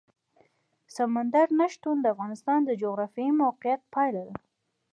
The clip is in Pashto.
سمندر نه شتون د افغانستان د جغرافیایي موقیعت پایله ده.